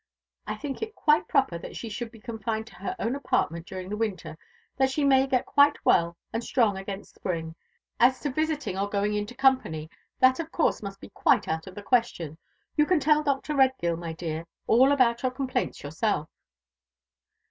I think it quite proper that she should be confined to her own apartment during the winter, that she may get quite well and strong against spring. As to visiting or going into company, that of course must be quite out of the question. You can tell Dr. Redgill, my dear, all about your complaints yourself."